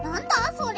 それ。